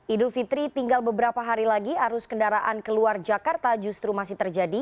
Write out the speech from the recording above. idul fitri tinggal beberapa hari lagi arus kendaraan keluar jakarta justru masih terjadi